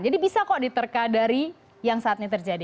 jadi bisa kok diterka dari yang saat ini terjadi